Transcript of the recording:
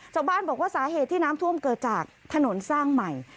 ชาวบ้านบอกว่าสาเหตุที่น้ำท่วมเกิดจากถนนสร้างใหม่